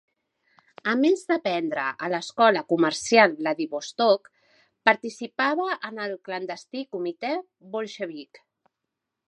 A més d'aprendre a l'Escola Comercial Vladivostok, participava en el clandestí comitè bolxevic.